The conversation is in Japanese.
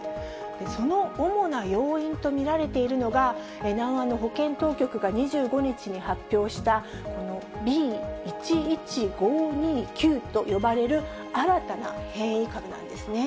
その主な要因と見られているのが、南アの保健当局が２５日に発表した、このＢ．１．１．５２９と呼ばれる、新たな変異株なんですね。